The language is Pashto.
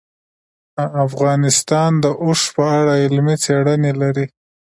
افغانستان د اوښ په اړه علمي څېړنې لري.